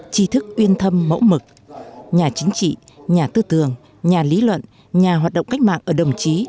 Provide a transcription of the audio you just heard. trí thức uyên thâm mẫu mực nhà chính trị nhà tư tường nhà lý luận nhà hoạt động cách mạng ở đồng chí